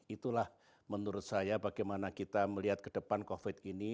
itulah menurut saya bagaimana kita melihat ke depan covid ini